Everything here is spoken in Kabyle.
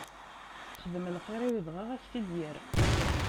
Xdem lxiṛ i udɣaɣ, ad ak-t-id yerr!